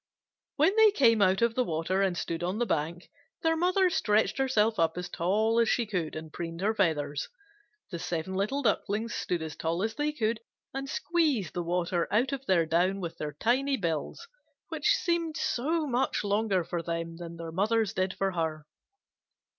When they came out of the water and stood on the bank, their mother stretched herself up as tall as she could and preened her feathers. The seven little Ducklings stood as tall as they could and squeezed the water out of their down with their tiny bills, which seemed so much longer for them than their mother's did for her.